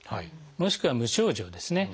もしくは無症状ですね